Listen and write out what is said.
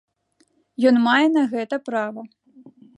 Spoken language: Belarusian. Ён мае на гэта права.